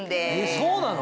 そうなの？